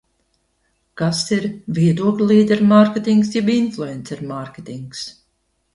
Kas ir viedokļa līdera mārketings jeb influenceru mārketings?